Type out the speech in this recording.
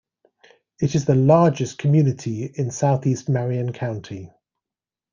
It is the largest community in southeast Marion County.